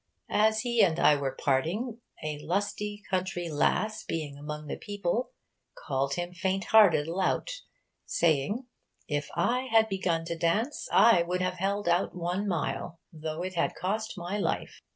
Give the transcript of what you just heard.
As he and I were parting, a lusty country lasse being among the people, cal'd him faint hearted lout, saying, "If I had begun to daunce, I would have held out one myle, though it had cost my life."